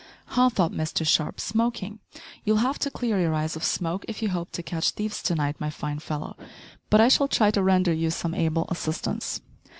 "Ha!" thought Mr Sharp, "smoking! You'll have to clear your eyes of smoke if you hope to catch thieves to night, my fine fellow; but I shall try to render you some able assistance."